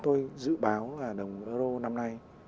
tôi dự báo là đồng euro năm nay